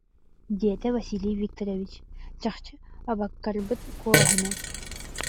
диэтэ Василий Викторович, чахчы, абаккарбыт куолаһынан